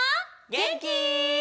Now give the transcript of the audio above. げんき？